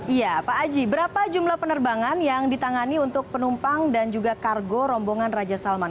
iya pak aji berapa jumlah penerbangan yang ditangani untuk penumpang dan juga kargo rombongan raja salman